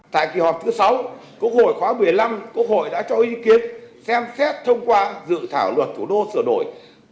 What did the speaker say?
tại kỳ họp thứ sáu quốc hội khóa một mươi năm quốc hội đã cho ý kiến xem xét thông qua dự thảo luật thủ đô sửa đổi